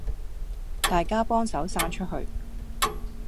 大家幫手散出去